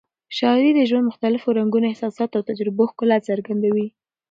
شاعري د ژوند مختلفو رنګونو، احساساتو او تجربو ښکلا څرګندوي.